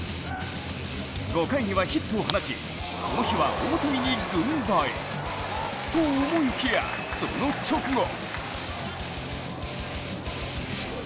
５回にはヒットを放ちこの日は大谷に軍配と思いきやその直後。